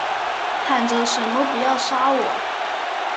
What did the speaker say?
喊着什么不要杀我